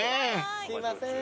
すいません。